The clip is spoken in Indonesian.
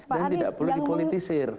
dan tidak perlu dipolitisir